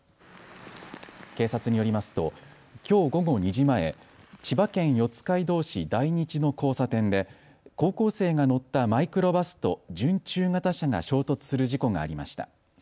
警察によりますときょう午後２時前、千葉県四街道市大日の交差点で高校生が乗ったマイクロバスと準中型車が衝突する事故がありました。